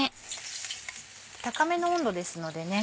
高めの温度ですのでね